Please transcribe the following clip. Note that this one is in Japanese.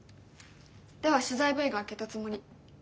では取材Ｖが明けたつもり。